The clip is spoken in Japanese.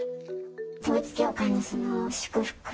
統一教会の祝福。